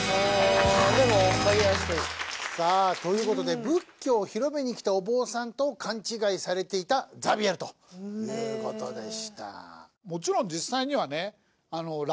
さあということで仏教を広めに来たお坊さんと勘違いされていたザビエルということでした。